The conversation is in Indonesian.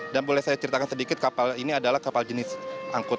dan boleh saya ceritakan sedikit kapal ini adalah kapal jenis angkut